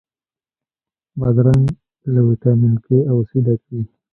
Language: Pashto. بادرنګ له ویټامین K او C ډک وي.